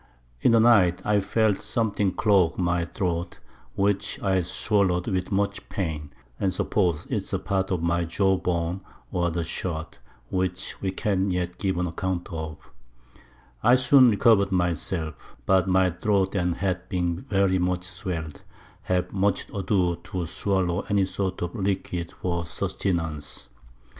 In the Night I felt something clog my Throat, which I swallow'd with much Pain, and suppose it's a part of my Jaw Bone, or the Shot, which we can't yet give an account of, I soon recover'd my self; but my Throat and Head being very much swell'd, have much ado to swallow any sort of Liquids for Sustenance.